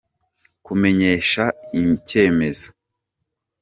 Kumenyeshwa icyemezo